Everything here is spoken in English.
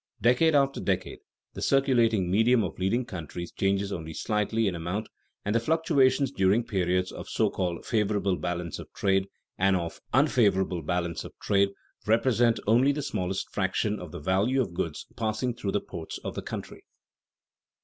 Decade after decade the circulating medium of leading countries changes only slightly in amount, and the fluctuations during periods of so called "favorable balance of trade" and of "unfavorable balance of trade" represent only the smallest fraction of the value of goods passing through the ports of the country.